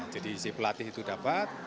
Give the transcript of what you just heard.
jadi si pelatih itu dapat